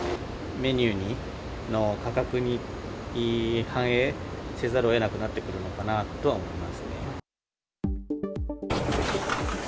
メニューの価格に反映せざるをえなくなってくるのかなとは思いま